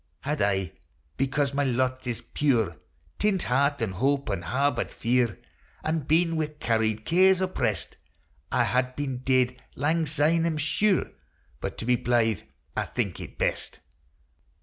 Had I, because my lot is puir, Tint heart an' hope, an' harboured fear, An' been wi' carried cares opprest, I had been dead langsyne, I 'm sure ; But to be blythe I think it best.